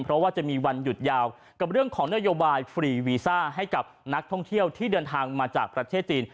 เพราะว่าจะมีวันหยุดยาวกับเรื่องของนโยบายฟรีวีซ่าให้กับนักท่องเที่ยวที่เดินทางมาจากประเทศจีน